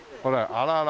あらあら。